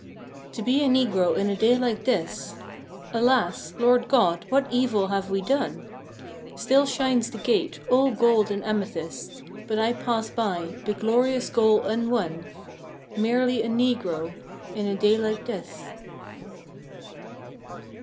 To be a Negro in a day like this Alas! Lord God, what evil have we done? Still shines the gate, all gold and amethyst, But I pass by, the glorious goal unwon, "Merely a Negro" in a day like this!